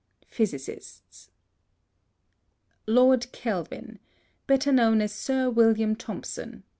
PHYSICISTS. Lord Kelvin, better known as Sir William Thompson (b.